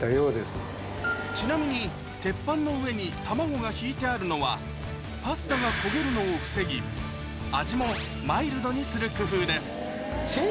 ちなみに鉄板の上に卵がひいてあるのはパスタが焦げるのを防ぎ味もマイルドにする工夫です先生